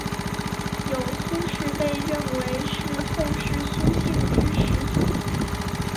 有苏氏被认为是后世苏姓之始祖。